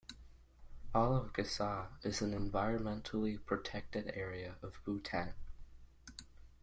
All of Gasa is an environmentally protected area of Bhutan.